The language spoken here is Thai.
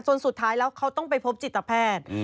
สุดท้ายแล้วเขาต้องไปพบจิตแพทย์